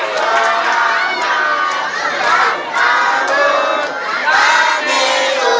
selamat sejak umur